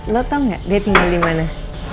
lo tau gak dia tinggal dimana